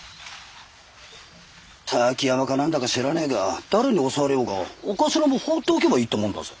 滝山か何だか知らねえが誰に襲われようが長官も放っておけばいいってもんだぜ。